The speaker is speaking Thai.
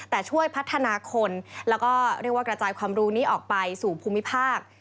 แต่ช่วยพัฒนาคนแล้วก็เรียกว่ากระจายความรู้นี้ออกไปสู่ภูมิภาค